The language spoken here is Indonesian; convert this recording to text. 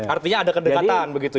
artinya ada kedekatan begitu ya